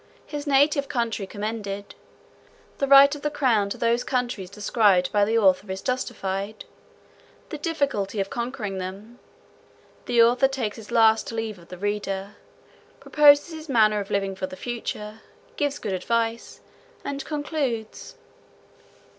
His native country commended. The right of the crown to those countries described by the author is justified. The difficulty of conquering them. The author takes his last leave of the reader; proposes his manner of living for the future; gives good advice, and concludes.